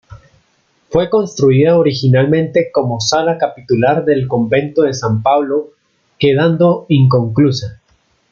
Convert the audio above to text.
Fue construida originalmente como sala capitular del convento de San Pablo, quedando inconclusa.